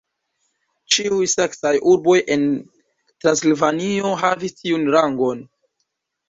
Ĉiuj saksaj urboj en Transilvanio havis tiun rangon.